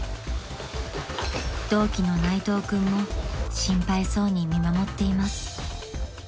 ［同期の内藤君も心配そうに見守っています］